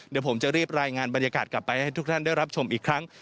เดี๋ยวผมจะรีบรายงานบรรยากาศกลับไปให้ทุกท่านได้รับชมอีกครั้ง